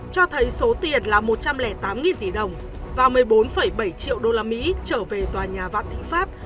cho thấy số tiền là một trăm linh tám tỷ đồng và một mươi bốn bảy triệu usd trở về tòa nhà vạn thịnh pháp